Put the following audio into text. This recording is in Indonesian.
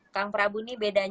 kang prabu nih berapa tahun